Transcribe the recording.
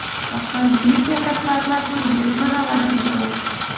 د خپل ملي فکر په اساس حاکمیتونه وننګول.